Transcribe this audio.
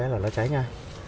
là nó cháy nha